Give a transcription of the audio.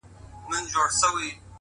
هره لاسته راوړنه د باور نښه ده؛